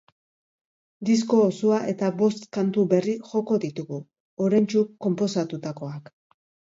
Disko osoa eta bost kantu berri joko ditugu, oraintsu konposatutakoak.